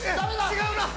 ◆違うな。